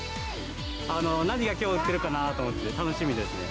何がきょう売ってるかなと思って、楽しみですね。